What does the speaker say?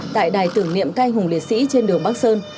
tại đài tưởng niệm canh hùng liệt sĩ trên đường bắc sơn